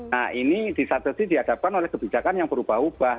nah ini disatasi diadakan oleh kebijakan yang berubah ubah